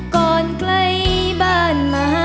กอดใกล้บ้าน